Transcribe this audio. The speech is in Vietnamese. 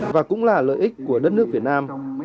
và cũng là lợi ích của đất nước việt nam